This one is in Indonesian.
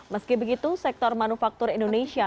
meski begitu sektor manufaktur indonesia